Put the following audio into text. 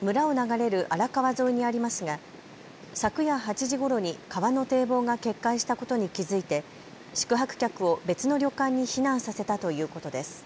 村を流れる荒川沿いにありますが昨夜８時ごろに川の堤防が決壊したことに気付いて宿泊客を別の旅館に避難させたということです。